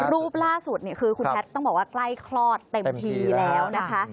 รูปล่าสุดเนี่ยคือคุณแพทย์ต้องบอกว่าใกล้คลอดเต็มทีแล้วนะคะ